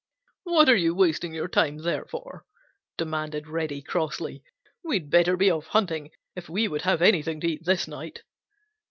"What are you wasting your time there for?" demanded Reddy crossly. "We'd better be off hunting if we would have anything to eat this night."